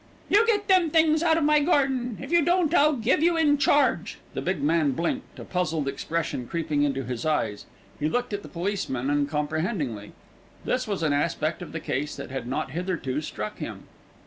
"You get them things out of my garden. If you don't I'll give you in charge." The big man blinked, a puzzled expression creeping into his eyes. He looked at the policeman uncomprehendingly. This was an aspect of the case that had not, hitherto, struck him.